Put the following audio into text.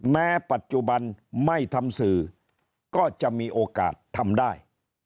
แม้ปัจจุบันไม่ทำสื่อก็จะมีโอกาสทำได้